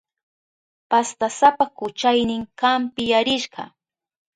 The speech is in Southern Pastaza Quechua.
Pastasapa kuchaynin kampiyarishka.